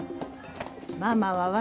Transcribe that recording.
ママは私。